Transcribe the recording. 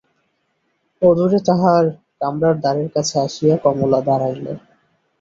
অদূরে তাহার কামরার দ্বারের কাছে আসিয়া কমলা দাঁড়াইল।